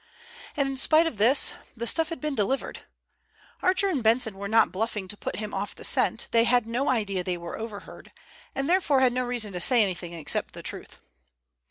And in spite of this the stuff had been delivered. Archer and Benson were not bluffing to put him off the scent. They had no idea they were overheard, and therefore had no reason to say anything except the truth.